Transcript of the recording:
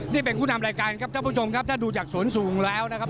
นี่เป็นผู้นำรายการครับท่านผู้ชมครับถ้าดูจากสวนสูงแล้วนะครับ